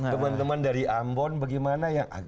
teman teman dari ambon bagaimana yang